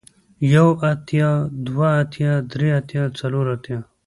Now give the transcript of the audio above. يو اتيا دوه اتيا درې اتيا څلور اتيا